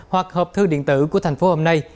hoặc hộp thư điện tử của tp hôm nay